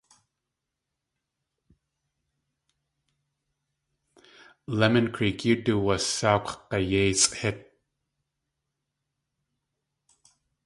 Lemon Creek yóo duwasáakw g̲ayéisʼ hít.